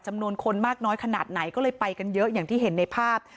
จำนวนคนมากน้อยขนาดไหนก็เลยไปกันเยอะอย่างที่เห็นในภาพ